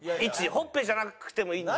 ほっぺじゃなくてもいいんで。